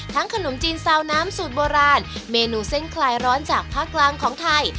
ขนมจีนซาวน้ำสูตรโบราณเมนูเส้นคลายร้อนจากภาคกลางของไทย